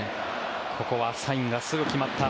ここはサインがすぐ決まった。